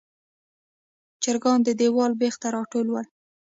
چرګان د دیواله بیخ ته راټول ول.